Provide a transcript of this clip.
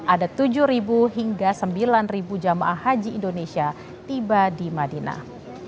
ada tujuh hingga sembilan jamaah haji indonesia tiba di madinah